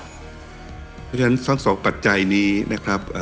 เพราะฉะนั้นทั้งสองปัจจัยนี้นะครับ